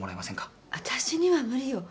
私には無理よ。